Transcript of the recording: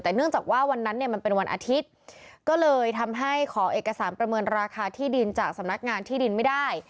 แต่เนื่องจากว่าวันนั้นเนี่ยมันเป็นวันอาทิตย์ก็เลยทำให้ขอเอกสารประเมินราคาที่ดินจากสำนักงานที่ดินไม่ได้